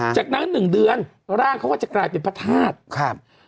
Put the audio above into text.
จากนั้น๑เดือนร่างเขาก็จะกลายเป็นพระธาตุ